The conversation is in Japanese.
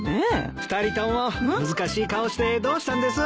２人とも難しい顔してどうしたんです？